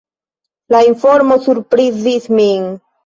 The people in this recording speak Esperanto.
La informo surprizis min.